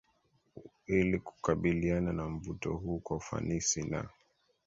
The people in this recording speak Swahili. Ili kukabiliana na mvuto huu kwa ufanisi na